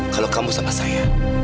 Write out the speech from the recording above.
kalau kamu sama saya